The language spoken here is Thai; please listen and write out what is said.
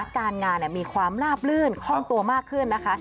การงานมีความลาบลื่นคล่องตัวมากขึ้นนะคะ